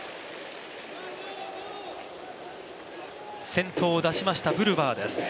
先頭出しましたブルワーです。